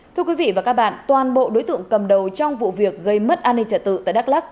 thưa quý vị và các bạn toàn bộ đối tượng cầm đầu trong vụ việc gây mất an ninh trật tự tại đắk lắc